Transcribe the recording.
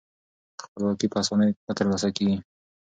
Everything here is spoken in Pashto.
خپلواکي په اسانۍ نه ترلاسه کیږي.